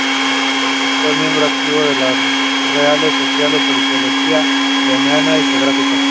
Fue miembro activo de las reales sociedades Zoológica, Linneana y Geográfica.